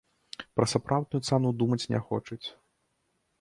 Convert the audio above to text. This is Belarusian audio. Пра сапраўдную цану думаць не хочуць.